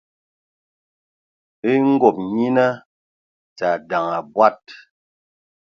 E ngob nyina dza ndaŋ abɔad.